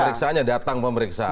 pemeriksaannya datang pemeriksaan